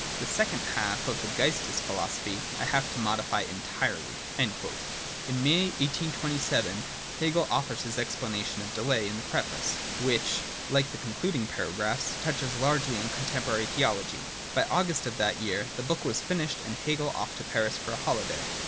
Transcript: The second half of the @eiftcgl3^ilofo|)^ic I shall have to modify entirely.' In May 1827, Hegel offers his explanation of delay in the preface, which, like the concluding paragraphs, touches largely on contemporary theology. By August of that year the book was finished, and Hegel off to Paris for a holiday.